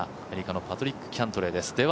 アメリカのパトリック・キャントレーです。